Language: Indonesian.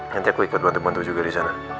nanti aku ikut bantu bantu juga di sana